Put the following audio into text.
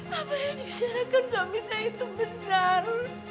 apa yang dibicarakan suami saya itu benar